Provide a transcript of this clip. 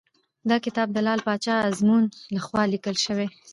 دا کتاب د لعل پاچا ازمون لخوا لیکل شوی .